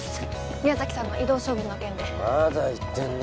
宮崎さんの異動処分の件でまだ言ってんの？